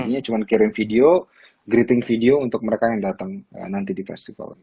jadi cuma kirim video greeting video untuk mereka yang datang nanti di festival